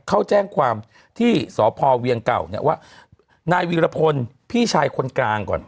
เขาแจ้งความที่สพเวียงเก่าเนี่ยว่านายวีรพลพี่ชายคนกลางก่อน